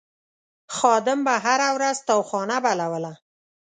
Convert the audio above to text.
خادم به هره ورځ تاوخانه بلوله.